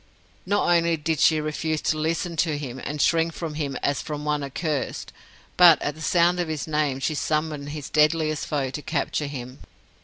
Not only did she refuse to listen to him, and shrink from him as from one accursed, but, at the sound of his name, she summoned his deadliest foe to capture him.